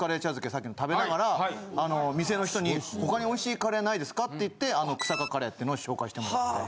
さっきの食べながら店の人に「他に美味しいカレーないですか？」って言ってあのＫｕｓａｋａＣｕｒｒｙってのを紹介してもらって。